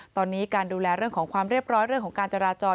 ตอนนี้การดูแลเรื่องของความเรียบร้อยเรื่องของการจราจร